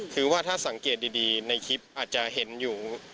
คือว่าถ้าสังเกตดีในคลิปอาจจะเห็นอยู่